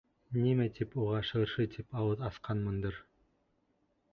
Нимә тип уға шыршы тип ауыҙ асҡанмындыр.